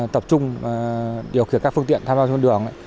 tập trung điều khiển các phương tiện tham gia xuống đường